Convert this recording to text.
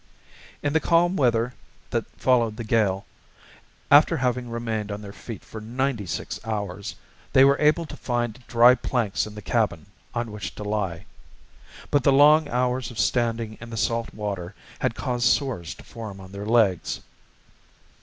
In the calm weather that followed the gale, after having remained on their feet for ninety six hours, they were able to find dry planks in the cabin on which to lie. But the long hours of standing in the salt water had caused sores to form on their legs.